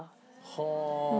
はあ！